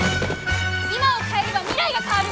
今を変えれば未来が変わる！